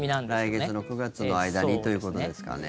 来月の９月の間にということですかね。